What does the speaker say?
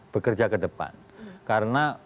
bekerja ke depan karena